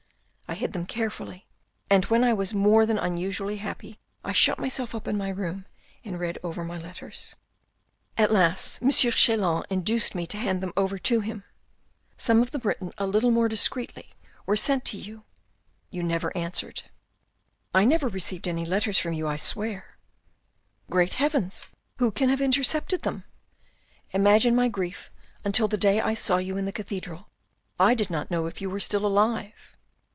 I hid them carefully and when I was more than usually unhappy I shut myself up in my room and read over my letters." " At last M. Chelan induced me to hand them over to him, »5 226 THE RED AND THE BLACK some of them written a little more discreetly were sent to you, you never answered." " I never received any letters from you, I swear !"" Great heavens ! Who can have intercepted them ? Imagine my grief until the day I saw you in the cathedral. I did not know if you were still alive."